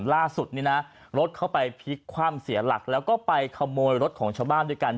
ล่าสุดนี้นะรถเข้าไปพลิกคว่ำเสียหลักแล้วก็ไปขโมยรถของชาวบ้านด้วยกัน